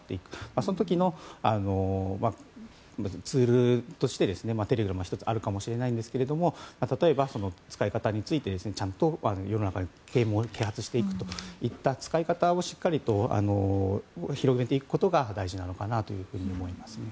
その時のツールとしてテレグラムも１つあるかもしれないんですけども例えば、使い方についてちゃんと世の中に啓発していくといった使い方をしっかりと広げていくことが大事なのかなと思います。